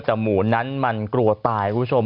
แต่หมูนั้นมันกลัวตายคุณผู้ชม